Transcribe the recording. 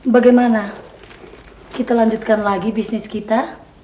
bagaimana kita lanjutkan lagi bisnis kita